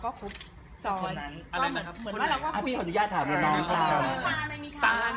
มาเล่าไว้คำถามผม